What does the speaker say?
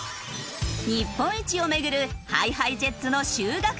日本一を巡るＨｉＨｉＪｅｔｓの修学旅行。